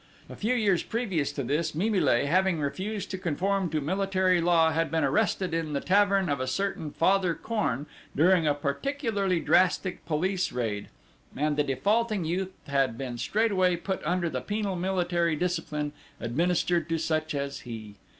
A few years previous to this Mimile, having refused to conform to military law, had been arrested in the tavern of a certain Father Korn during a particularly drastic police raid, and the defaulting youth had been straightway put under the penal military discipline administered to such as he.